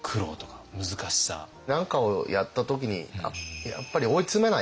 何かをやった時にやっぱり追いつめない。